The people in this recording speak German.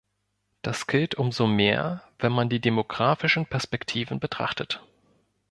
Das gilt umso mehr, wenn man die demographischen Perspektiven betrachtet.